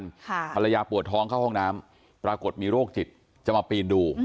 ภรรยาปวดท้องเข้าห้องน้ำปรากฏมีโรคจิตจะมาปีนดู